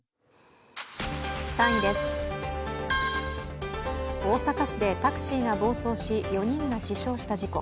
３位です、大阪市でタクシーが暴走し、４人が死傷した事故。